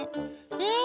うん！